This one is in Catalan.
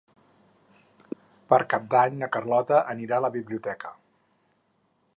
Per Cap d'Any na Carlota anirà a la biblioteca.